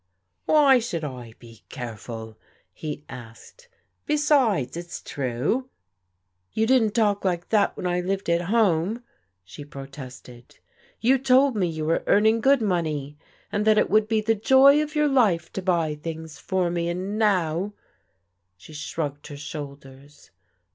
" Why should I be careful ?" he asked. " Besides, it's true." " You didn't talk like that when I lived at home," she protested. " You told me you were earning good money, and that it would be the joy of your life to buy things for me, and now " She shrugged her shoulders.